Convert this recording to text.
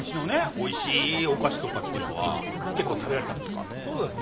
おいしいお菓子とかっていうのは結構食べられたんですか？